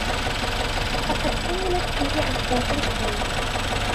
فَقَدْ كَمُلَتْ فِيهِ أَسْبَابُ الْخَيْرِ